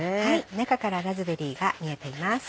中からラズベリーが見えています。